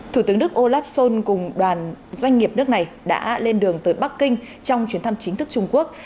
thủ tướng đức olaf schol cùng đoàn doanh nghiệp nước này đã lên đường tới bắc kinh trong chuyến thăm chính thức trung quốc